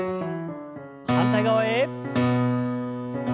反対側へ。